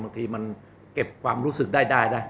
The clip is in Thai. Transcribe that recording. บางทีมันเก็บความรู้สึกได้นะ